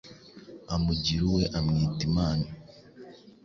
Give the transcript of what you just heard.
amugira uwe amwita Imana.